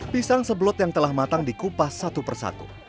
pisang seblot yang telah matang dikupas satu persatu